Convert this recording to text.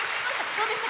どうでした？